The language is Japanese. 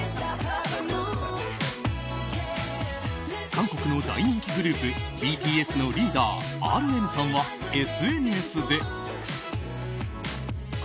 韓国の大人気グループＢＴＳのリーダーＲＭさんはＳＮＳで。